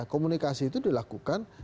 komunikasi itu dilakukan